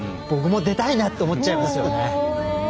僕も出たいなって思っちゃいますよね。